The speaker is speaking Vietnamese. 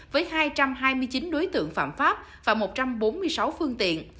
với hai trăm hai mươi chín đối tượng phạm pháp và một trăm bốn mươi sáu phương tiện